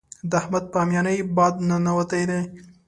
د احمد په هميانۍ باد ننوتی دی.